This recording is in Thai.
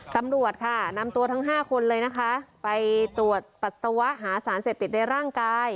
ตำรวจค่ะนำตัวทั้ง๕คนเลยนะคะไปตรวจปัสสาวะหาสารเสพติดในร่างกาย